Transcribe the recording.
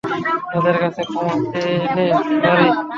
তাদের কাছে ক্ষমা চেয়ে নে, মারি।